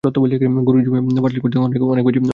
গুড় জমিয়ে পাটালি করতে হলে অনেক বেশি সময় ধরে বীজ মারতে হয়।